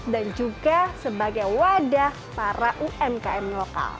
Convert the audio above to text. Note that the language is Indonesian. dan juga sebagai wadah para umkm lokal